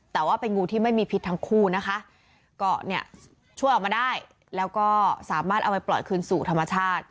แต่ว่าเป็นงูที่ไม่มีพิษทั้งคู่นะคะก็เนี่ยช่วยออกมาได้แล้วก็สามารถเอาไปปล่อยคืนสู่ธรรมชาติ